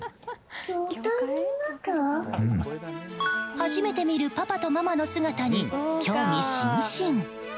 初めて見るパパとママの姿に興味津々。